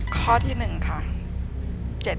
ข้อที่หนึ่งครับ